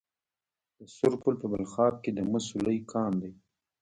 د سرپل په بلخاب کې د مسو لوی کان دی.